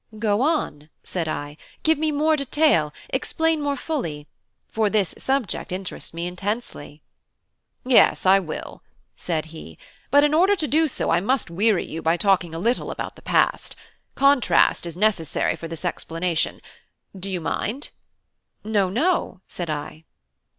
"Go on," said I, "give me more detail; explain more fully. For this subject interests me intensely." "Yes, I will," said he; "but in order to do so I must weary you by talking a little about the past. Contrast is necessary for this explanation. Do you mind?" "No, no," said I.